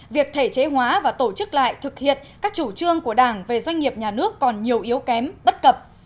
việc thể chế hóa và tổ chức lại thực hiện các chủ trương của đảng về doanh nghiệp nhà nước còn nhiều yếu kém bất cập